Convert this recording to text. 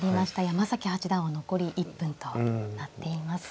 山崎八段は残り１分となっています。